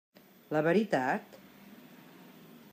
La veritat?